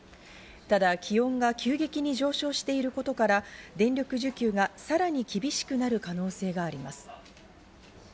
ただ気温が急激に上昇していることから電力需給がさらに厳しくなる可能性があります。